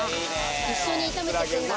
一緒に炒めてくんだ。